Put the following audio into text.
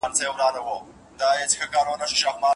آیا ماشینګڼه تر توپک زیاتي مرمۍ فیروي؟